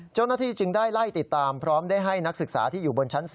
เจ้าหน้าที่จึงได้ไล่ติดตามพร้อมได้ให้นักศึกษาที่อยู่บนชั้น๔